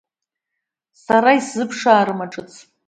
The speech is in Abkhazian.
Сара исзыԥшаарым Аҿыц.